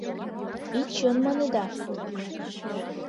И чын маныда.